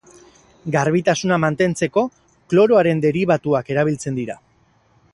Garbitasuna mantentzeko kloroaren deribatuak erabiltzen dira.